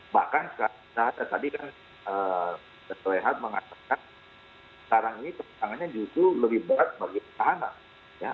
bahkan tadi kan kesehatan mengatakan sekarang ini pertangannya justru lebih berat bagi pertahanan